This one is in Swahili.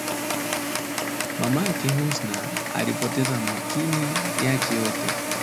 mamake Husna alipoteza makini yake yote